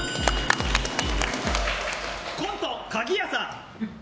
コント、かぎ屋さん。